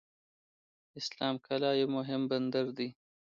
اسلام قلعه یو مهم بندر دی.